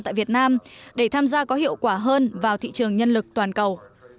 tại việt nam để tham gia có hiệu quả hơn vào thị trường nhân lực toàn cầu